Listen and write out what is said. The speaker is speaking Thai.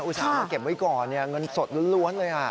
อุตส่าห์เอามาเก็บไว้ก่อนเงินสดล้วนเลย